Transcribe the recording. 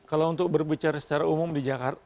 kalau untuk berbicara secara umum di jakarta